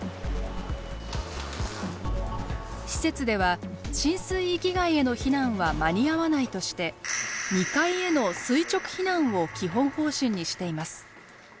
施設では浸水域外への避難は間に合わないとして２階への「垂直避難」を基本方針にしています。